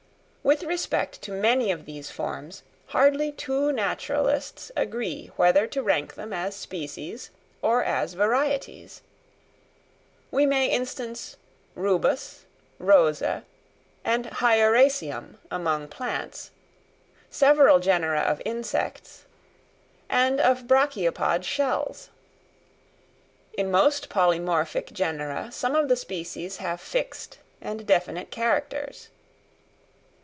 With respect to many of these forms, hardly two naturalists agree whether to rank them as species or as varieties. We may instance Rubus, Rosa, and Hieracium among plants, several genera of insects, and of Brachiopod shells. In most polymorphic genera some of the species have fixed and definite characters.